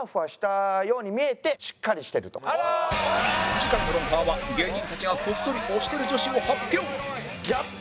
次回の『ロンハー』は芸人たちがこっそり推してる女子を発表